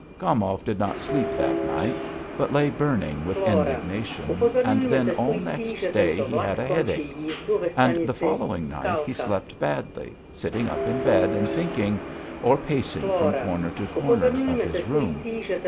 Gomov did not sleep that night, but lay burning with indignation, and then all next day he had a headache. And the following night he slept badly, sitting up in bed and thinking, or pacing from corner to corner of his room.